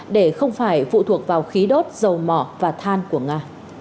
để không phải phụ thuộc vào khí đốt dầu mỏ và than của nga